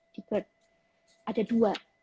di gerd ada dua